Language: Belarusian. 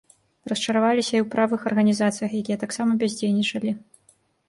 Расчараваліся і ў правых арганізацыях, якія таксама бяздзейнічалі.